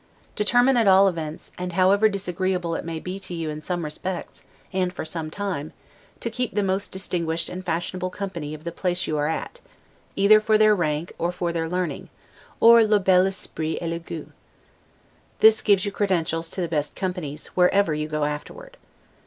Determine, at all events, and however disagreeable it may to you in some respects, and for some time, to keep the most distinguished and fashionable company of the place you are at, either for their rank, or for their learning, or 'le bel esprit et le gout'. This gives you credentials to the best companies, wherever you go afterward.